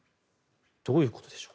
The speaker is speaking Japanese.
どういうことでしょう。